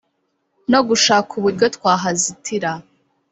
no gushaka uburyo twahazitira